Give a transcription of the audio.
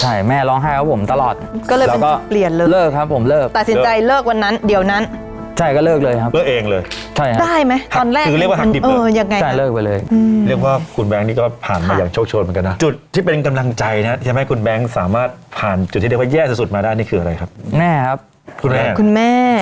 ใช่แม่ร้องไห้กับผมตลอดก็เลยเป็นที่เปลี่ยนแล้วแล้วก็เลิกครับผม